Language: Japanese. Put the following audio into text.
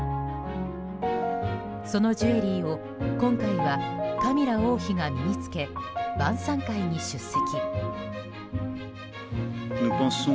そのジュエリーを今回はカミラ王妃が身に着け晩さん会に出席。